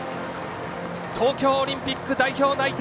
東京オリンピック代表内定！